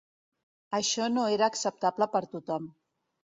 Això no era acceptable per tothom.